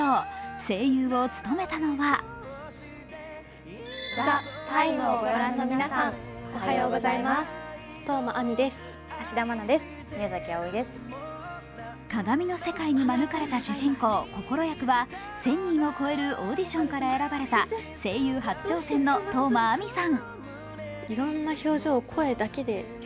声優を務めたのは鏡の世界に招かれた主人公・こころは１０００人を超えるオーディションから選ばれた声優初挑戦の當真あみさん。